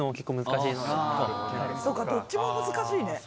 そうかどっちも難しいね。